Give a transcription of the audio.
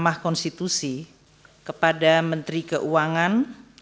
dan mahkamah konstitusi kepada menteri keuangan